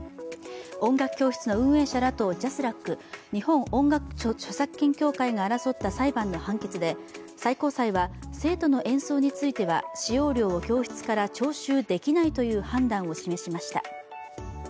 音楽教室の畝医者らとＪＡＳＲＡＣ＝日本音楽著作権協会が争った裁判の判決で最高裁は生徒の演奏については使用料を教室から徴収できないという判断を示しました。